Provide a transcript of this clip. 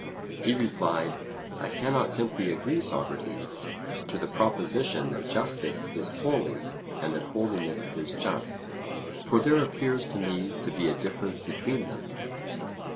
He replied, I cannot simply agree, Socrates, to the proposition that justice is holy and that holiness is just, for there appears to me to be a difference between them.